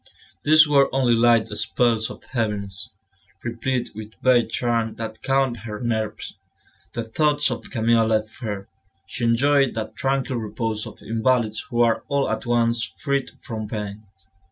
These were only light spells of heaviness, replete with vague charm that calmed her nerves. The thoughts of Camille left her; she enjoyed that tranquil repose of invalids who are all at once freed from pain.